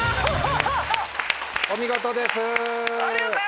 お見事です。